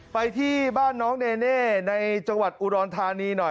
ไปที่บ้านน้องเนเน่ในจังหวัดอุดรธานีหน่อย